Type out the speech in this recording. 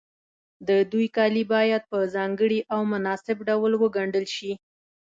د دوی کالي باید په ځانګړي او مناسب ډول وګنډل شي.